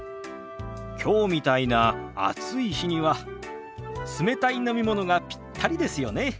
きょうみたいな暑い日には冷たい飲み物がピッタリですよね。